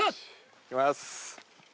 いきます。